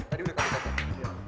tadi udah kami katakan